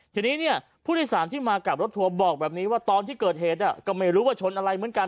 ทีนี้เนี่ยผู้โดยสารที่มากับรถทัวร์บอกแบบนี้ว่าตอนที่เกิดเหตุก็ไม่รู้ว่าชนอะไรเหมือนกัน